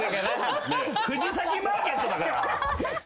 藤崎マーケットだから。